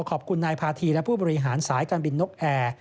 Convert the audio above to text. ขอบคุณนายพาธีและผู้บริหารสายการบินนกแอร์